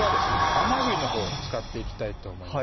甘栗のほうを使っていきたいと思います